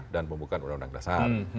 dan pembukaan undang undang dasar